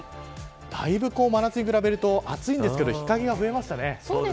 だいぶ真夏に比べると暑いんですけど日陰が増えましたね。